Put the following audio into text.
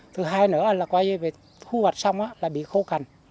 thứ hai nữa là khu hoạch xong là bị khô cành